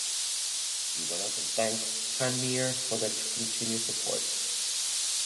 He went on to thank Tranmere for their continued support.